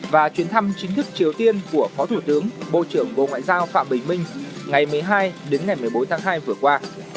và chuyến thăm chính thức triều tiên của phó thủ tướng bộ trưởng bộ ngoại giao phạm bình minh ngày một mươi hai đến ngày một mươi bốn tháng hai vừa qua